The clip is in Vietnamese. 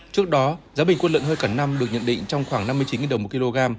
trước đó giá bình quân lợn hơi cả năm được nhận định trong khoảng năm mươi chín đồng một kg